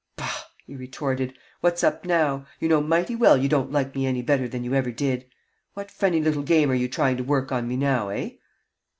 "Bah!" he retorted. "What's up now? You know mighty well you don't like me any better than you ever did. What funny little game are you trying to work on me now, eh?"